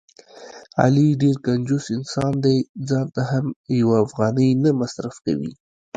علي ډېر کنجوس انسان دی.ځانته هم یوه افغانۍ نه مصرف کوي.